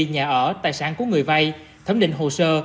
nhà ở tài sản của người vay thẩm định hồ sơ